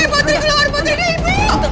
putri keluar putri ada ibu